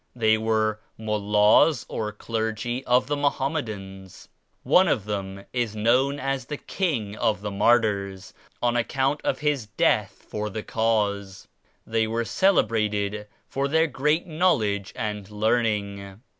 They were Mullahs or clergy of the Mohammedans. One of them is known S4 as the King of the Martyrs on account of his death for this Cause. They were celebrated for their great knowledge and learning.